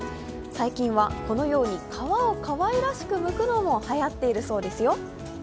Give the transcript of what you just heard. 最近は、このように皮をかわいらしくむくのもはやっているそうですよ。